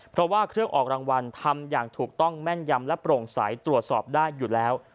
เพราะว่าเครื่องออกรางวัลทำอย่างถูกต้องแม่นยำและโปร่งใสตรวจสอบได้อยู่แล้ว